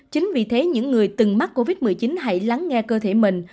chính vì thế những người từng mắc covid một mươi chín hãy lắng nghe cơ thể mình